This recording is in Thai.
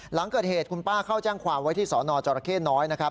หลังเกิดเหตุคุณป้าเข้าแจ้งคั่งไว้ที่สนจรเคร่น้้อย